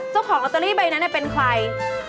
เจ้าของลอตเตอรี่ใบนั้นเป็นใคร